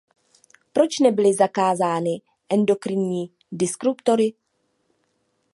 Proč nebyly zakázány endokrinní disruptory?